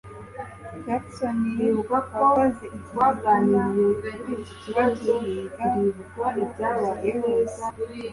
Jackson wakoze iki gituma baguhiga aho ugiye hose